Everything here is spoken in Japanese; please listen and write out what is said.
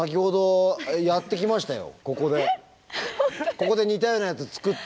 ここで似たようなやつ作って。